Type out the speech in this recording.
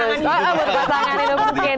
oh butuh pasangan itu mungkin